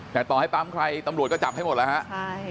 แต่ต่อให้ปั๊มใครตำรวจก็จับให้หมดแล้วฮะใช่